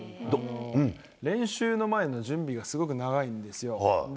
練習の前の準備がすごく長いんですよ。